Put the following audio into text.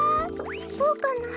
そそうかな？